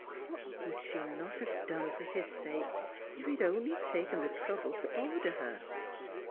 What would she not have done for hia sake, if he had only taken the trouble to order her.